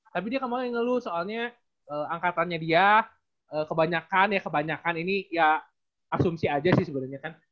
tapi dia kemudian ngeluh soalnya angkatannya dia kebanyakan ya kebanyakan ini ya asumsi aja sih sebenarnya kan